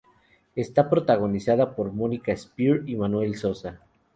Está protagonizada por Mónica Spear y Manuel Sosa.